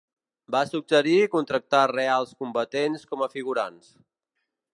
Va suggerir contractar reals combatents com a figurants.